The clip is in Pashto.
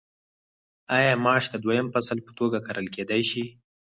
آیا ماش د دویم فصل په توګه کرل کیدی شي؟